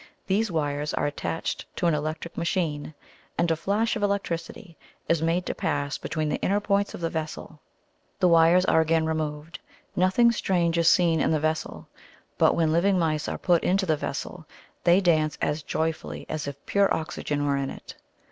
These wires are attached to an electric machine, and a flash of electricity is made to pass between the inner points of the vessel. The wires are again removed; nothing strange is seen in the vessel. But, when living mice are put into the vessel, they dance as joyfully as if pure oxygen were in it.